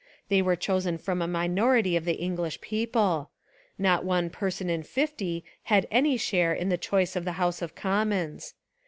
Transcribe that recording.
They were chosen from a minority of the Eng lish people. Not one person in fifty had any share in the choice of the House of Commons.